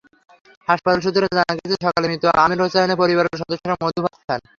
হাসপাতাল সূত্রে জানা গেছে, সকালে মৃত আমির হোছাইনের পরিবারের সদস্যরা মধুভাত খান।